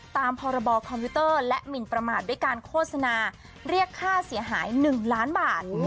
ตามพรบคอมพิวเตอร์และหมินประมาทด้วยการโฆษณาเรียกค่าเสียหาย๑ล้านบาท